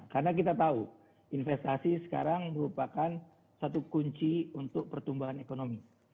karena kita tahu investasi sekarang merupakan satu kunci untuk pertumbuhan ekonomi